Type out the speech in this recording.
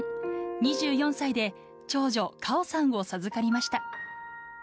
２４歳で長女、果緒さんを授かりました。